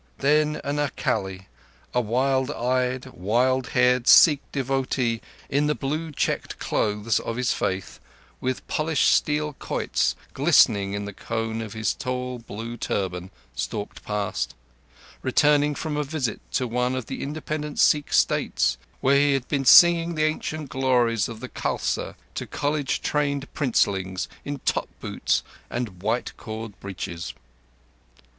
Then an Akali, a wild eyed, wild haired Sikh devotee in the blue checked clothes of his faith, with polished steel quoits glistening on the cone of his tall blue turban, stalked past, returning from a visit to one of the independent Sikh States, where he had been singing the ancient glories of the Khalsa to College trained princelings in top boots and white cord breeches.